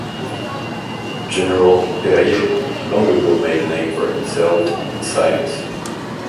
General Perrier long ago made a name for himself in science.